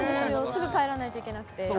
すぐ帰らないといけなくて。